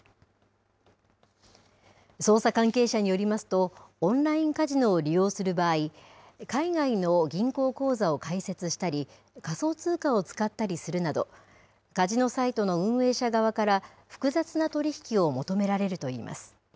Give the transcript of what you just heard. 捜査関係者によりますと、オンラインカジノを利用する場合、海外の銀行口座を開設したり、仮想通貨を使ったりするなど、カジノサイトの運営者側から複雑な取り引きを求められるといいます。